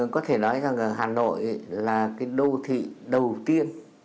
có thể nói rằng hà nội là cái đô thị đầu tiên